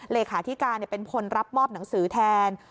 เลขาธิการเป็นคนรับมอบหนังสือแทน